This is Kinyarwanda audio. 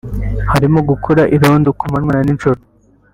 harimo gukora irondo ku manywa na n’ijoro